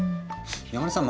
山根さん